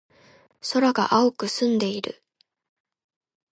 空が青く澄んでいる。